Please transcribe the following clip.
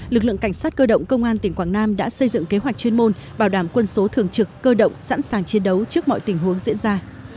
lực lượng cảnh sát cơ động công an tỉnh quảng nam đã xây dựng kế hoạch chuyên môn bảo đảm quân số thường trực cơ động sẵn sàng chiến đấu trước mọi tình huống diễn ra